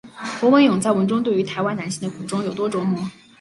侯文咏在文中对于台湾男性的苦衷有多琢磨。